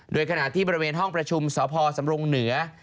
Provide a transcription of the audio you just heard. โดยขณะที่บริเวณห้องประชุมสพสำรงเหนือ